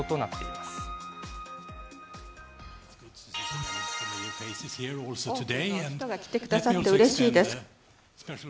多くの人が来てくださってうれしいです。